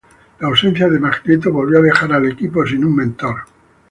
La ausencia de Magneto volvió a dejar al equipo sin un mentor.